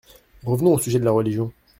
Revenons au sujet de la religion.